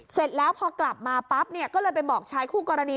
เสร็จแล้วพอกลับมาปั๊บเนี่ยก็เลยไปบอกชายคู่กรณี